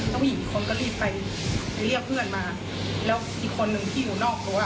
ผู้หญิงอีกคนก็รีบไปไปเรียกเพื่อนมาแล้วอีกคนนึงที่อยู่นอกรั้ว